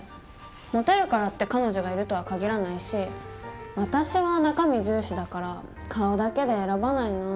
モテるからって彼女がいるとは限らないし私は中身重視だから顔だけで選ばないな。